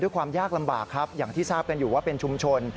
ความยากลำบากครับอย่างที่ทราบกันอยู่ว่าเป็นชุมชน